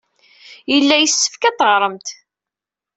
Yella yessefk ad d-teɣremt.